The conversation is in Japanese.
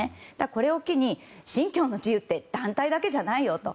これを機に、信教の自由って団体だけじゃないよと。